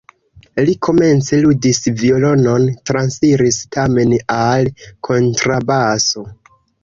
Li komence ludis violonon, transiris tamen al kontrabaso.